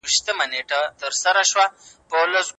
پر خپل ځان باندي پرهېز یې وو تپلی